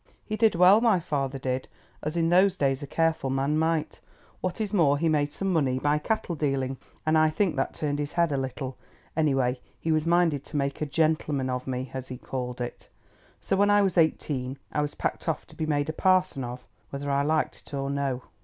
He did well, my father did, as in those days a careful man might. What is more, he made some money by cattle dealing, and I think that turned his head a little; anyway, he was minded to make 'a gentleman of me,' as he called it. So when I was eighteen I was packed off to be made a parson of, whether I liked it or no.